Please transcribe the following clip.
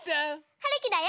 はるきだよ。